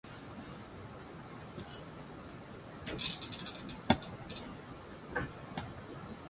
She then travelled to North Africa via Dahomey and the Congo.